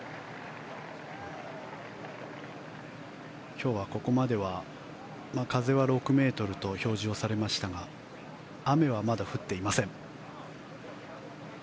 今日はここまでは風は６ｍと表示されましたが雨はまだ降っていません。